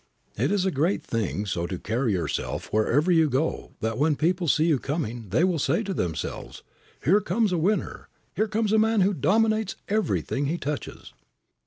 It is a great thing so to carry yourself wherever you go that when people see you coming they will say to themselves, "Here comes a winner! Here is a man who dominates everything he touches."